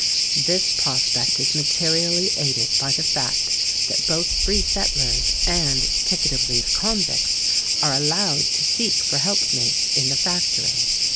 This prospect is materially aided by the fact that both free settlers and ticket of leave convicts are allowed to seek for help mates in the Factory.